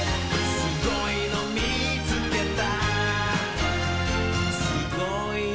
「すごいのみつけた」